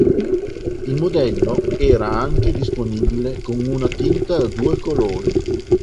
Il modello era anche disponibile con una tinta a due colori.